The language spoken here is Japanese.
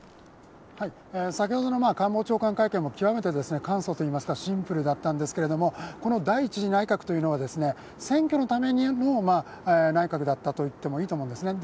先ほどの官房長官会見も極めて簡素といいますか、シンプルだったんですけれども、第一次内閣というのは選挙のためにも、内閣だったといってもいいと思うんですね。